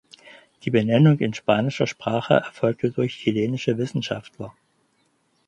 Die Benennung in spanischer Sprache erfolgte durch chilenische Wissenschaftler.